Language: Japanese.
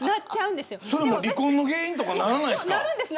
それは離婚の原因にならないですか。